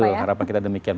betul harapan kita demikian